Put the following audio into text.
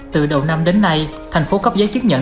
từ đầu năm đến nay thành phố cấp giấy chứng nhận